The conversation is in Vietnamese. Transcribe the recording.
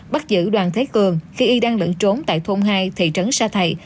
bắt giữ đoàn thế cường khi y đang lẫn trốn tại thôn hai thị trấn sa thầy